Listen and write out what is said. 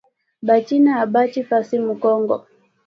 Ba china abaachi fasi mu kongo